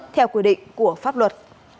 theo quy định của pháp luật